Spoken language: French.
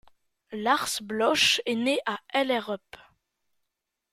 Lars Bloch est né à Hellerup.